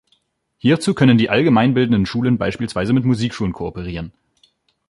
Hierzu können die allgemeinbildenden Schulen beispielsweise mit Musikschulen kooperieren.